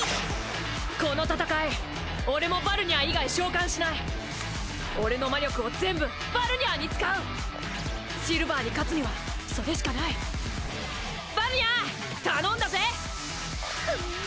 この戦い俺もバルニャー以外召喚しない俺の魔力を全部バルニャーに使うシルヴァーに勝つにはそれしかないバルニャー頼んだぜ！